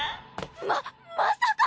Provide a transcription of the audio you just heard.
ままさか！